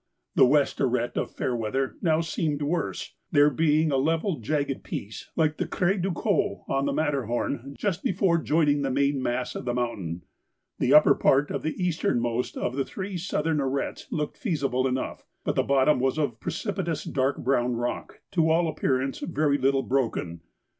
The west arête of Fairweather now seemed worse, there being a level jagged piece like the 'Crête du Coq' on the Matterhorn just before joining the main mass of the mountain. The upper part of the easternmost of the three southern arêtes looked feasible enough, but the bottom was of precipitous dark brown rock, to all appearance very little broken.